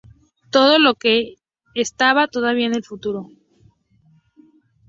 Todo lo que estaba todavía en el futuro.